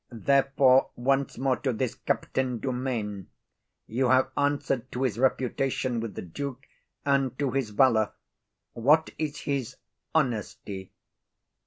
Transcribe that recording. Therefore, once more to this Captain Dumaine: you have answer'd to his reputation with the duke, and to his valour. What is his honesty?